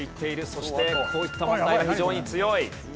そしてこういった問題非常に強い。